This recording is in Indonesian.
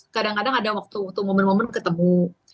kadang kadang ada waktu waktu momen momen ketemu